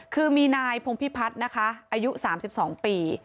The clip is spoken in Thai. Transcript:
คือมีนายพงพิพัฒน์นะคะอายุ๓๒ปี